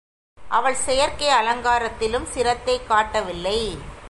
அவள் செயற்கை அலங்காரத்திலும் சிரத்தை காட்டவில்லை.